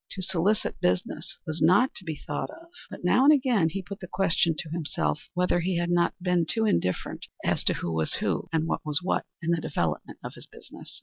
To solicit business was not to be thought of, but now and again he put the question to himself whether he had not been too indifferent as to who was who, and what was what, in the development of his business.